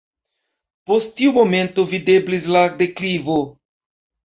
Post tio momento videblis la deklivo.